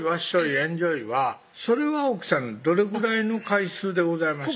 エンジョイはそれは奥さんどれぐらいの回数でございました？